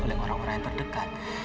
oleh orang orang yang terdekat